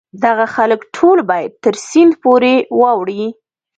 دغه خلک ټول باید تر سیند پورې واوړي.